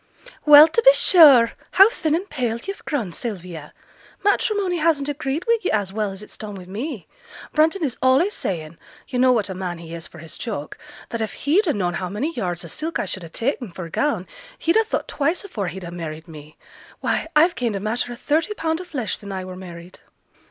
'Well, to be sure! how thin and pale yo've grown, Sylvia! Matrimony hasn't agreed wi' yo' as well as it's done wi me. Brunton is allays saying (yo' know what a man he is for his joke) that if he'd ha' known how many yards o' silk I should ha' ta'en for a gown, he'd ha' thought twice afore he'd ha' married me. Why, I've gained a matter o' thirty pound o' flesh sin' I were married!'